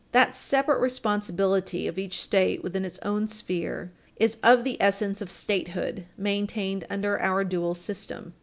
That separate responsibility of each State within its own sphere is of the essence of statehood maintained under our dual system.